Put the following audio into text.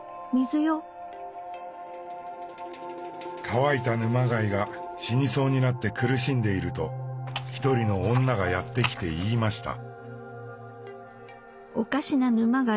乾いた沼貝が死にそうになって苦しんでいると一人の女がやって来て言いました。